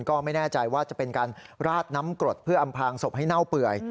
ก็ไม่แน่ใจว่าจะเป็นการราดน้ำกรดเพื่ออำพางศพให้เน่าเปื่อย